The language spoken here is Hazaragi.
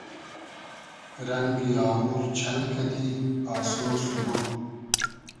رئنگی آوور چئل کئدی آسۉ سوبوگ